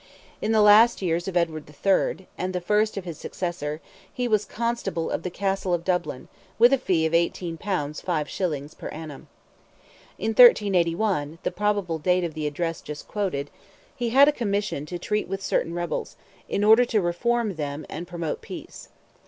In the last years of Edward III., and the first of his successor, he was constable of the Castle of Dublin, with a fee of 18 pounds 5 shillings per annum. In 1381—the probable date of the address just quoted—he had a commission to treat with certain rebels, in order to reform them and promote peace.